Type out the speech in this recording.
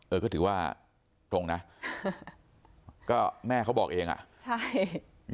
เออก็ถือว่าตรงนะก็แม่เขาบอกเองอ่ะใช่